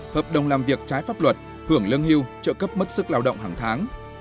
hợp đồng làm việc trái pháp luật hưởng lương hưu trợ cấp mất sức lao động hàng tháng